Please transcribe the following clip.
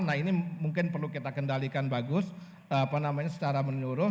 nah ini mungkin perlu kita kendalikan bagus apa namanya secara menyeluruh